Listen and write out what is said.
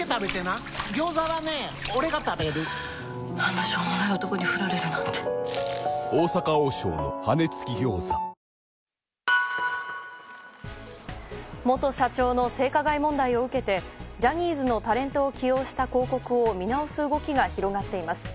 めまいにはオレンジの漢方セラピー元社長の性加害問題を受けて、ジャニーズのタレントを起用した広告を見直す動きが広がっています。